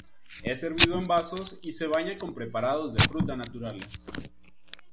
Es servido en vasos y se baña con preparados de fruta naturales.